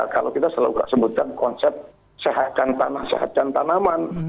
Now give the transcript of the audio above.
kalau kita selalu kak sebutkan konsep sehatkan tanah sehatkan tanaman